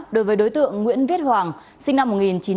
đối với đối tượng nguyễn viết hoàng sinh năm một nghìn chín trăm bảy mươi bảy